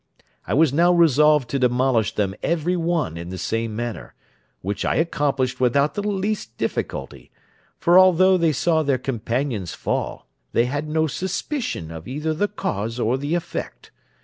I was now resolved to demolish them every one in the same manner, which I accomplished without the least difficulty; for although they saw their companions fall, they had no suspicion of either the cause or the effect.